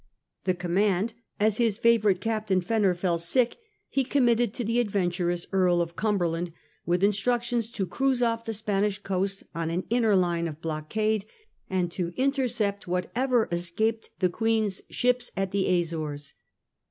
The command, as his favourite captain Fenner fell sick, he committed to the adventurous Earl of Cumberland with instructions to cruise off the Spanish coast on an inner line of blockade, and to intercept whatever escaped the Queen's ships at the Azores.